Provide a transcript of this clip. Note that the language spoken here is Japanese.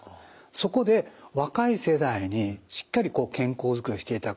そこで若い世代にしっかり健康づくりをしていただく。